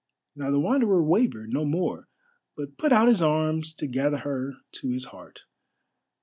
Now the Wanderer wavered no more, but put out his arms to gather her to his heart.